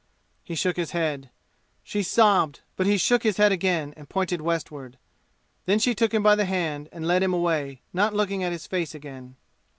He shook his head. She sobbed, but he shook his head again and pointed westward. Then she took him by the hand and led him away, not looking at his face again.